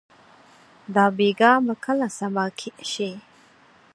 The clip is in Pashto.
دا بېګا به کله صبا شي؟